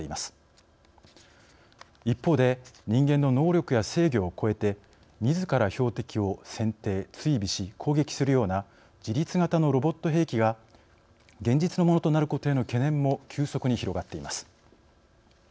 一方で人間の能力や制御を超えてみずから標的を選定追尾し攻撃するような自律型のロボット兵器が現実のものとなることへの懸念も急速に広がっています。